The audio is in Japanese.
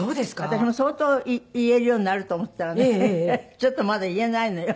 私も相当言えるようになると思ったらねちょっとまだ言えないのよ。